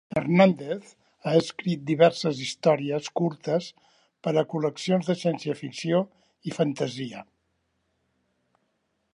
Hernandez ha escrit diverses històries curtes per a col·leccions de ciència-ficció i fantasia.